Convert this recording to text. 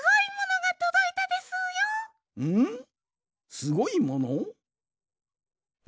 すごいもの？